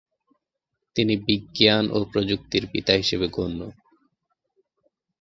তিনি "বিজ্ঞান ও প্রযুক্তির পিতা" হিসেবে গণ্য।